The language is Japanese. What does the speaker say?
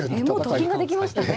もうと金ができましたね。